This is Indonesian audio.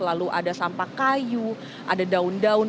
lalu ada sampah kayu ada daun daun